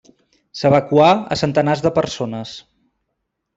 S'evacuà a centenars de persones.